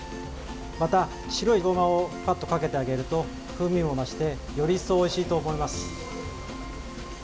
また、白いごまをパッとかけてあげると風味も増してより一層おいしいと思います。